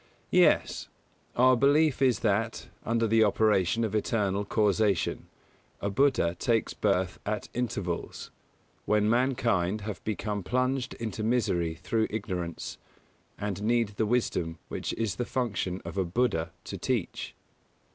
Yes; our belief is that, under the operation of eternal causation, a Buddha takes birth at intervals, when mankind have become plunged into misery through ignorance, and need the wisdom which it is the function of a Buddha to teach.